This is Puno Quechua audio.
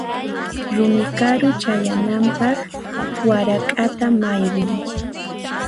Rumi karu chayananpaq warak'ata maywiy.